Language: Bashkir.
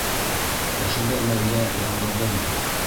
Ошондай мәлдә яңғыҙың...